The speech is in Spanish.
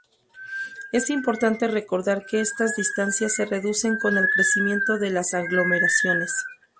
Es importante recordar que estas distancias se reducen con el crecimiento de las aglomeraciones.